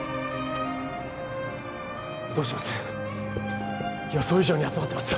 どうします？